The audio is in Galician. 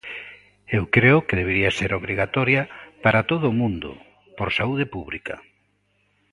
Eu creo que debería ser obrigatoria para todo o mundo, por saúde pública.